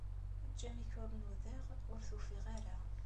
Eǧǧ amek ur nudaɣ, ur t-ufiɣ ara.